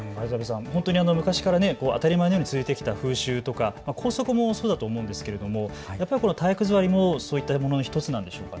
本当に昔から当たり前のように続いてきた風習とか校則もそうだと思うのですが、やっぱり体育座りもそういったものの１つなんでしょうか。